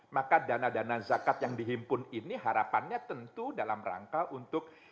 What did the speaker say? maka dana dana zakat yang dihimpun ini harapannya tentu dalam rangka untuk